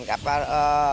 terasnya yang di jalan